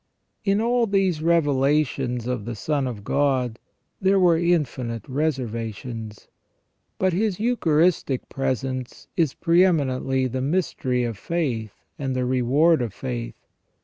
In all these revelations of the Son of God there were infinite reservations. But His Eucharistic Presence is pre eminently the mystery of faith and the reward of faith.